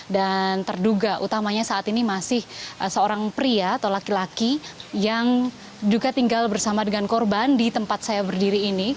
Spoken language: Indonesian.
dan terduga utamanya saat ini masih seorang pria atau laki laki yang juga tinggal bersama dengan korban di tempat saya berdiri ini